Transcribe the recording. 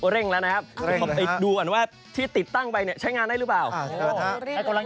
เร่งแล้วนะครับดูก่อนว่าที่ติดตั้งไปนี่ใช้งานได้หรือเปล่า